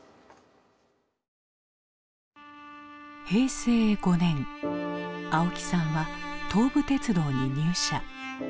平成５年青木さんは東武鉄道に入社。